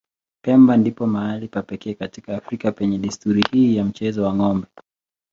Pemba ndipo mahali pa pekee katika Afrika penye desturi hii ya mchezo wa ng'ombe.